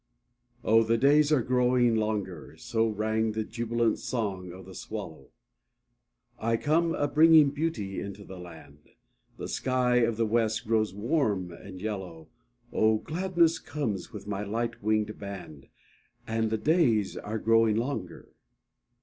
Oh, the days are growing longer; So rang the jubilant song of the swallow; I come a bringing beauty into the land, The sky of the West grows warm and yellow, Oh, gladness comes with my light winged band, And the days are growing longer.